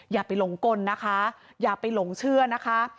อย่าไปหลงกลนะคะอย่าไปหลงเชื่อนะคะ